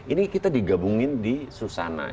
ini kita digabungin di susana